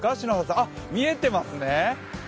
あっ、見えてますね。